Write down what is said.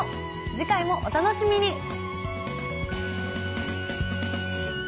次回もお楽しみに。